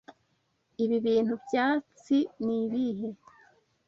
Ibi bintu byatsi ni ibihe?